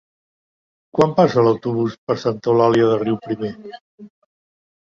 Quan passa l'autobús per Santa Eulàlia de Riuprimer?